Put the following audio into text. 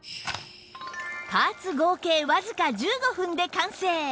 加圧合計わずか１５分で完成！